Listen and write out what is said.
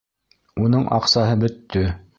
Уның аҡсаһы... бөттө.